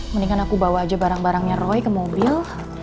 mendingan aku bawa aja barang barangnya roy ke mobil